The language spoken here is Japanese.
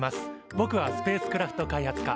ぼくはスペースクラフト開発科。